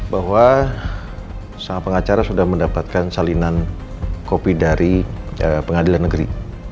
bahwa sang pengacara sudah mendapatkan salinan kopi dari pengadilan negeri